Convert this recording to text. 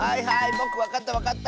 ぼくわかったわかった！